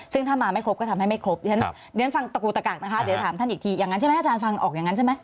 ซึ่งถ้ามาไม่ครบก็ทำให้ไม่ครบเดี๋ยวฉันฟังตะกูตะกักนะคะเดี๋ยวถามท่านอีกทีอย่างนั้นใช่ไหมอาจารย์ฟังออกอย่างนั้นใช่ไหม